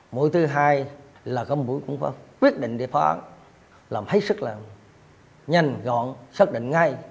mỗi thứ hai là có một buổi cũng phải quyết định để phá làm hết sức là nhanh gọn xác định ngay